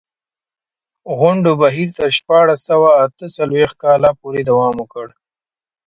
غونډو بهیر تر شپاړس سوه اته څلوېښت کال پورې دوام وکړ.